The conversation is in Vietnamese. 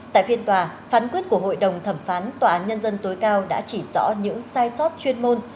tại phiên tòa phán quyết của hội đồng thẩm phán tòa án nhân dân tối cao đã chỉ rõ những sai sót chuyên môn